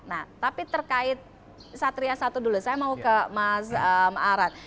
nah tapi terkait satria satu dulu saya mau ke mas arad